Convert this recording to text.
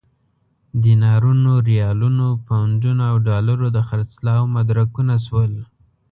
دینارونو، ریالونو، پونډونو او ډالرو د خرڅلاو مدرکونه شول.